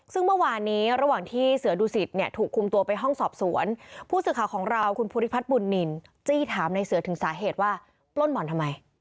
ซึ่งเมื่อวานนี้ระหว่างที่เสือดุสิตเนี่ยถูกคุมตัวไปห้องสอบสวนผู้สื่อข่าวของเราคุณภูริพัฒน์บุญนินจี้ถามในเสือถึงสาเหตุว่าปล้นบ่อนทำไม